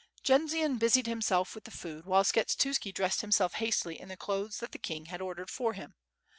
Jendzian busied himself with the food, while Skshetuski dressed himself hastily in the clothes that the king had ordered for him.